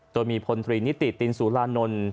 โดยมีพนธรีนิติตินสูลาณนล